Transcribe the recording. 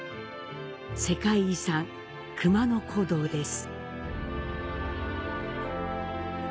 世界遺産、熊野古道です。